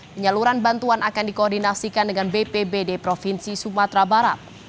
penyaluran bantuan akan dikoordinasikan dengan bpbd provinsi sumatera barat